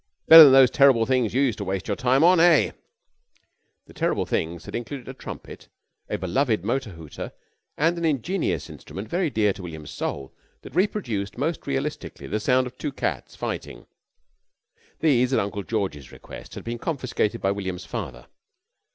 Better than those terrible things you used to waste your time on, eh?" The "terrible things" had included a trumpet, a beloved motor hooter, and an ingenious instrument very dear to William's soul that reproduced most realistically the sound of two cats fighting. These, at Uncle George's request, had been confiscated by William's father.